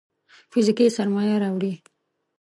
فزيکي سرمايه راوړي.